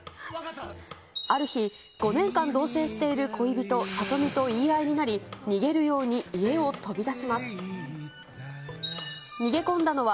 ある日、５年間同せいしている恋人、里美と言い合いになり、逃げるように家を飛び出します。